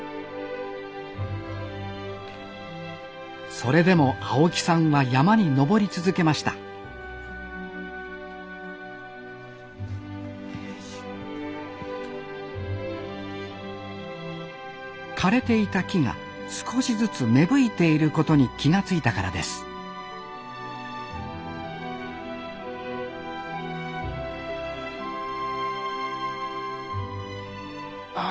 それでも青木さんは山に登り続けました枯れていた木が少しずつ芽吹いていることに気が付いたからですああ